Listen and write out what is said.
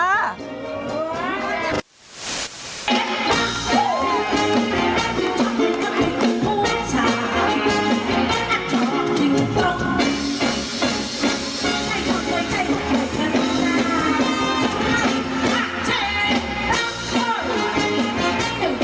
หน้าแบบ๓๒๑